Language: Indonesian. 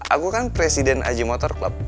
aku kan presiden aji motor club